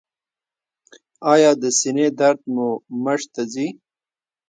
ایا د سینې درد مو مټ ته ځي؟